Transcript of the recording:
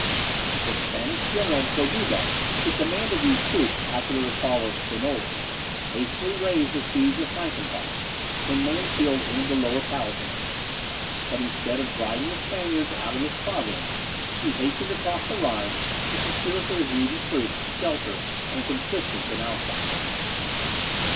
The Spanish general, Corduba, who commanded these troops after the recall of Spinola, hastily raised the siege of Frankenthal, when Mansfeld entered the Lower Palatinate. But instead of driving the Spaniards out of this province, he hastened across the Rhine to secure for his needy troops shelter and subsistence in Alsace.